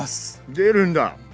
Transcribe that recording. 出るんだ！